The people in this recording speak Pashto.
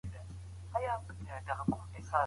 په سختو حالاتو کي هوښيار اوسه.